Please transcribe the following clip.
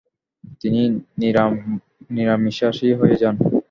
তিনি নিরামিষাশী হয়ে যান।